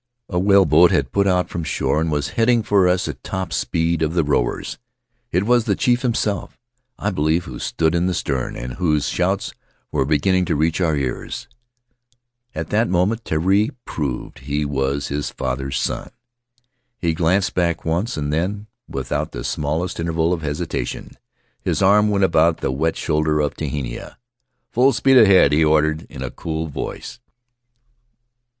A whaleboat had put out from shore and was heading for us at the top speed of the rowers; it was the chief His Mother's People himself, I believe, who stood in the stern and whose shouts were beginning to reach our ears. "At that moment Terii proved that he was his father's son. He glanced back once, and then, with out the smallest interval of hesitation, his arm went about the wet shoulder of Tehina. "'Full speed ahead,' he ordered in a cool voice."